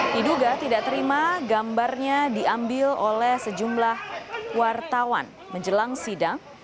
diduga tidak terima gambarnya diambil oleh sejumlah wartawan menjelang sidang